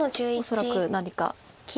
恐らく何か。